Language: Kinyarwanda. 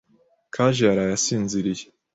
Kaje yaraye asinziriye.